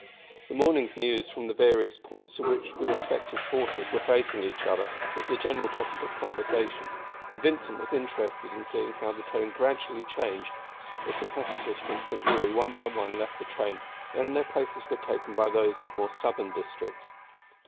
The morning's news from the various points at which the respective forces were facing each other was the general topic of conversation, and Vincent was interested in seeing how the tone gradually changed as the passengers from St. Louis one by one left the train and their places were taken by those of the more southern districts.